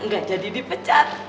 gak jadi dipecat